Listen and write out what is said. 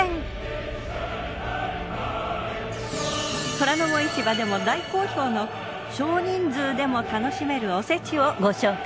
『虎ノ門市場』でも大好評の少人数でも楽しめるおせちをご紹介。